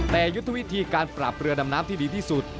แต่ยุทธวิธีการปราบเรือดำน้ำที่ดีที่สุด